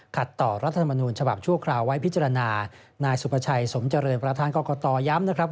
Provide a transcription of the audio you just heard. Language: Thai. ขัดต่อรัฐมนูลชมห์ชั่วคราวไว้พิจารณานายสุปเฉยสมเจริญบรทัศนกรกตอย้ำว่า